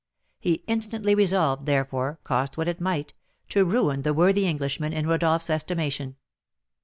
He instantly resolved, therefore, cost what it might, to ruin the worthy Englishman in Rodolph's estimation.